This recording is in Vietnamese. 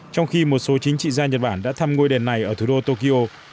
trong khi một số chính trị gia nhật bản đã thăm ngôi đền này ở thủ đô tokyo